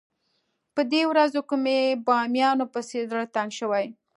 په دې ورځو کې مې بامیانو پسې زړه تنګ شوی.